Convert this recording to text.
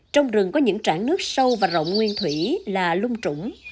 trong rừng có những trảng nước sâu và rộng nguyên thủy là lung trũng